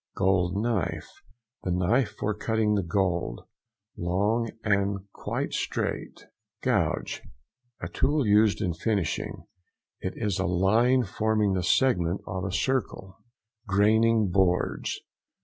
GOLD KNIFE.—The knife for cutting the gold; long and quite straight. GOUGE.—A tool used in finishing; it is a line forming the segment of a circle. GRAINING BOARDS.